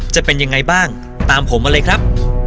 จะเป็นยังไงบ้างตามผมมาเลยครับ